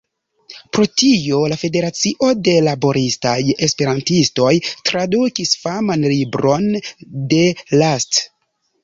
Pro tio la Federacio de Laboristaj Esperantistoj tradukis faman libron de Last.